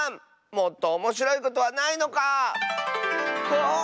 もっとおもしろいことはないのか⁉ああっ。